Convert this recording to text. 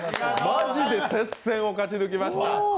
マジで接戦を勝ち抜きました。